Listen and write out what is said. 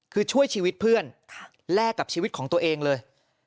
คือช่วยชีวิตเพื่อนแลกกับชีวิตของตัวเองเลย